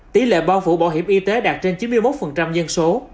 tỷ lệ bao phủ bảo hiểm y tế đạt trên chín mươi một dân số